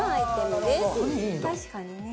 確かにね。